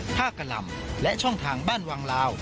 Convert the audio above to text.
กะหล่ำและช่องทางบ้านวังลาว